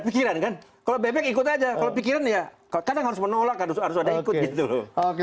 pikiran kan kalau bebek ikut aja kalau pikiran ya kadang harus menolak harus ada ikut gitu loh oke